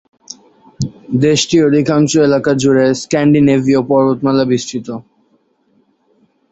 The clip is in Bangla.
দেশটির অধিকাংশ এলাকা জুড়ে স্ক্যান্ডিনেভীয় পর্বতমালা বিস্তৃত।